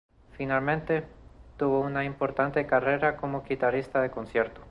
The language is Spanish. Finalmente, tuvo una importante carrera como guitarrista de concierto.